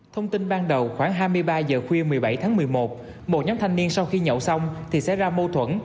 thông tin ban đầu khoảng hai mươi ba h khuya một mươi bảy tháng một mươi một một nhóm thanh niên sau khi nhậu xong thì sẽ ra mâu thuẫn